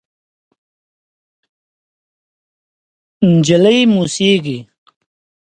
نجلۍ موسېږي…